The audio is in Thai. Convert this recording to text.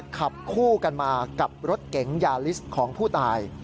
ขับคู่กันมากับรถเก๋งยาลิสต์ของผู้ตาย